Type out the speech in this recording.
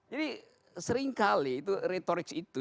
jadi seringkali itu retorik itu